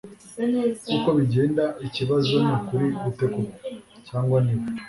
Nkuko bigenda ikibazo nukuri gute koko) - cyangwa niwe